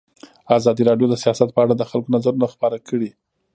ازادي راډیو د سیاست په اړه د خلکو نظرونه خپاره کړي.